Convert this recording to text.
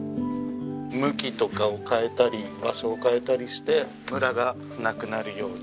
向きとかを変えたり場所を変えたりしてムラがなくなるように。